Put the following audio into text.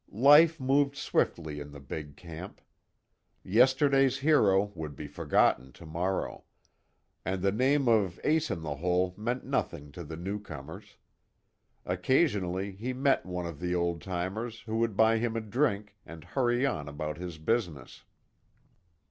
Life moved swiftly in the big camp. Yesterday's hero would be forgotten tomorrow. And the name of Ace In The Hole meant nothing to the newcomers. Occasionally he met one of the old timers, who would buy him a drink, and hurry on about his business.